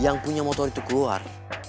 yang punya motor itu keluar